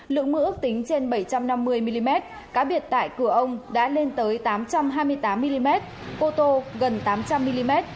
lượng mưa ước tính trên bảy trăm năm mươi mm cá biệt tại cửa ông đã lên tới tám trăm hai mươi tám mm ô tô gần tám trăm linh mm